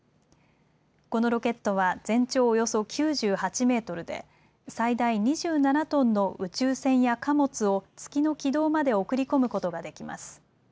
このロケットは全長およそ９８メートルで最大２７トンの宇宙船や貨物を月の軌道まで送り込むことができます。